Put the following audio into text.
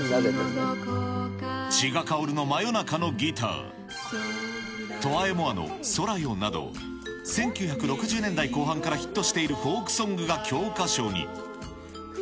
千賀かほるの真夜中のギター、トワ・エ・モワの空よなど、１９６０年代後半からヒットしているフォークソングが教科書に。